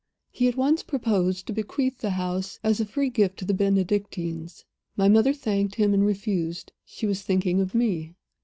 "He at once proposed to bequeath the house as a free gift to the Benedictines. My mother thanked him and refused. She was thinking of me.